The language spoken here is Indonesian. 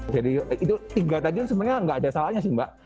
jadi itu tiga tadi sebenarnya nggak ada salahnya sih mbak